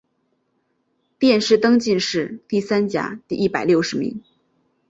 殿试登进士第三甲第一百六十名。